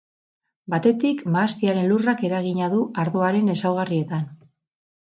Batetik, mahastiaren lurrak eragina du ardoaren ezaugarrietan.